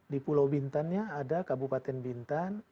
di pulau bintannya ada kabupaten bintan